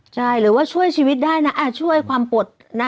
ใช่หรือว่าช่วยชีวิตได้นะช่วยความปลดนะ